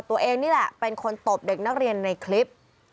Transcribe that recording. ตัวเองนี่แหละเป็นคนตบเด็กนักเรียนในคลิป